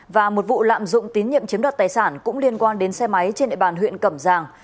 và một vụ lạm dụng tín nhiệm chiếm đoạt tài sản cũng liên quan đến xe máy trên địa bàn huyện cẩm giang